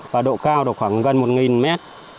và độ cao khoảng gần một mét